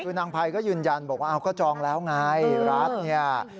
คือนางภัยก็ยืนยันบอกว่าก็จองแล้วไงรัฐเนี่ย